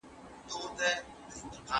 خپل ځان پیژندل د ارواپوهني لومړنی هدف دی.